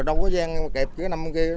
rồi đâu có gian kẹp cái năm kia